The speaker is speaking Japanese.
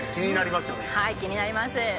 はい気になります。